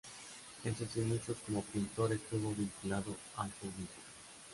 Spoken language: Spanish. En sus inicios como pintor estuvo vinculado al fauvismo.